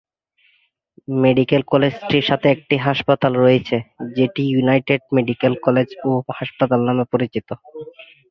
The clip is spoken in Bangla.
মেডিকেল কলেজটির সাথে একটি হাসপাতাল রয়েছে যেটি ইউনাইটেড মেডিকেল কলেজ ও হাসপাতাল নামে পরিচিত।